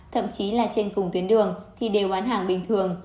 thậm chí là trên cùng tuyến đường thì đều bán hàng bình thường